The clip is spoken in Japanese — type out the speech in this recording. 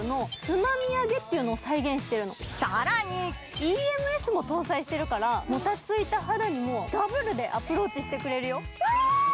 ＥＭＳも搭載しているからもたついている肌にダブルでアプローチしてくれるよ。